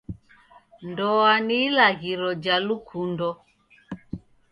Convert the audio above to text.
Ndoa ni ilaghiro ja lukundo.